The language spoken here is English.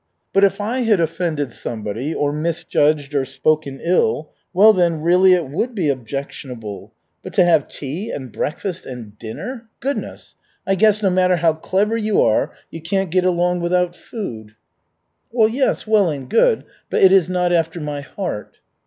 "But if I had offended somebody, or misjudged or spoken ill, well, then, really it would be objectionable. But to have tea and breakfast and dinner goodness! I guess, no matter how clever you are, you can't get along without food." "Yes, well and good, but it is not after my heart."